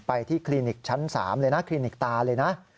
ไปที่คลินิกชั้น๓เลยนะคลินิกตาเลยนะ